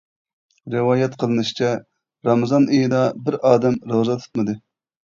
رىۋايەت قىلىنىشىچە، رامىزان ئېيىدا بىر ئادەم روزا تۇتمىدى.